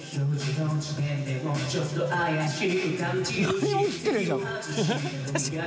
なんにも映ってねえじゃん。